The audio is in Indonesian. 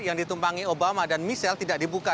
yang ditumpangi obama dan michelle tidak dibuka